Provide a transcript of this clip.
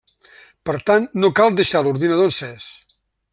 Per tant, no cal deixar l'ordinador encès.